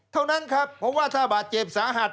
เท่านั้นครับเพราะว่าถ้าบาดเจ็บสาหัส